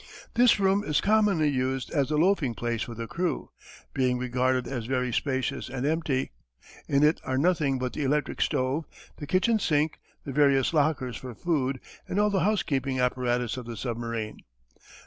This room is commonly used as the loafing place for the crew, being regarded as very spacious and empty. In it are nothing but the electric stove, the kitchen sink, the various lockers for food and all the housekeeping apparatus of the submarine.